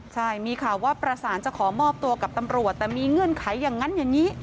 ใช่มีข่าวว่าประสานจะขอมอบตัวกับตำรวจแต่มีเงื่อนไขอย่างนั้นอย่างนี้